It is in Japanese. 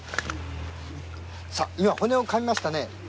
今、骨をかみましたね。